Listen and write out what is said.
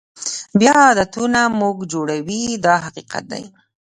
بیا عادتونه موږ جوړوي دا حقیقت دی.